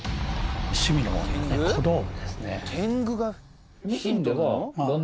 趣味の小道具ですね。